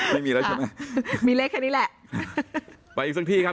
ไม่มีแล้วใช่ไหมมีเลขแค่นี้แหละไปอีกสักที่ครับ